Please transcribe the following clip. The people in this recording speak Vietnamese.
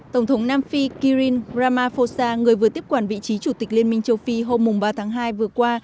tổng thống nam phi kirin ramaphosa người vừa tiếp quản vị trí chủ tịch liên minh châu phi hôm ba tháng hai vừa qua